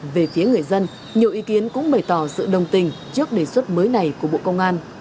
về phía người dân nhiều ý kiến cũng bày tỏ sự đồng tình trước đề xuất mới này của bộ công an